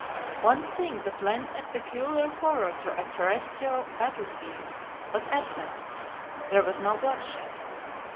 One thing that lends a peculiar horror to a terrestrial battlefield was absent; there was no bloodshed.